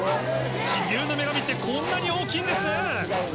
自由の女神ってこんなに大きいんですね！